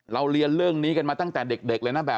เรียนเรื่องนี้กันมาตั้งแต่เด็กเลยนะแบบ